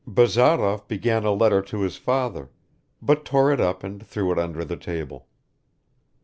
Bazarov began a letter to his father, but tore it up and threw it under the table.